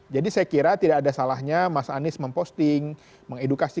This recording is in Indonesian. jadi saya kira tidak ada salahnya mas anies memposting mengedukasi